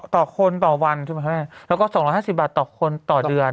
ต่อคนต่อวันใช่ไหมแม่แล้วก็๒๕๐บาทต่อคนต่อเดือน